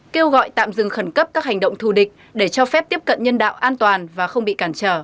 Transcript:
kêu gọi tạm dừng khẩn cấp các hành động thù địch để cho phép tiếp cận nhân đạo an toàn và không bị cản trở